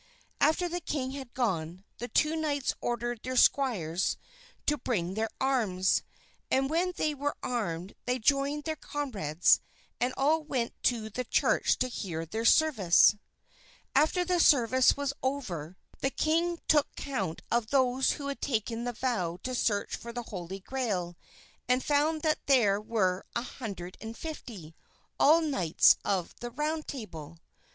After the king had gone, the two knights ordered their squires to bring their arms, and when they were armed they joined their comrades and all went to the church to hear their service. After the service was over the king took count of those who had taken the vow to search for the Holy Grail and found that there were a hundred and fifty, all knights of the Round Table.